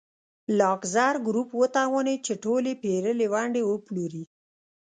لاکزر ګروپ وتوانېد چې ټولې پېرلې ونډې وپلوري.